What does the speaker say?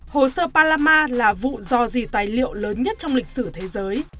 hồ sơ panama là vụ do dì tài liệu lớn nhất trong lịch sử thế giới